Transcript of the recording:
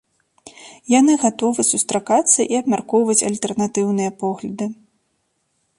Яны гатовы сустракацца і абмяркоўваць альтэрнатыўныя погляды.